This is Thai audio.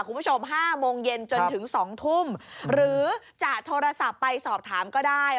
คุณผู้ชม๕โมงเย็นจนถึง๒ทุ่มหรือจะโทรศัพท์ไปสอบถามก็ได้